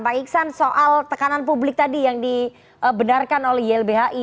pak iksan soal tekanan publik tadi yang dibenarkan oleh ylbhi